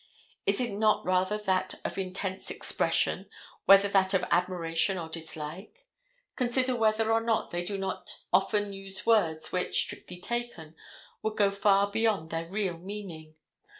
Is it not rather that of intense expression, whether that of admiration or dislike? Consider whether or not they do not often use words which, strictly taken, would go far beyond their real meaning.